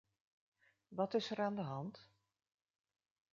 Wat is er aan de hand?